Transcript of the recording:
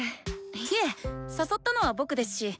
いえ誘ったのは僕ですし。